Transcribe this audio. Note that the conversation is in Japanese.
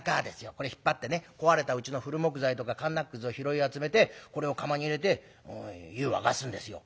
これ引っ張ってね壊れたうちの古木材とかかんなくずを拾い集めてこれを釜に入れて湯沸かすんですよ」。